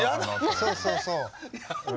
そうそうそう。